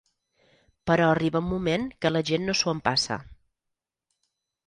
Però arriba un moment que la gent no s'ho empassa.